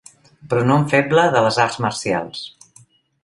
Pronom feble de les arts marcials.